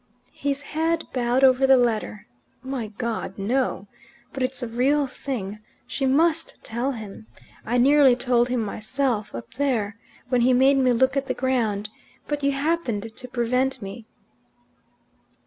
His head bowed over the letter. "My God no! But it's a real thing. She must tell him. I nearly told him myself up there when he made me look at the ground, but you happened to prevent me."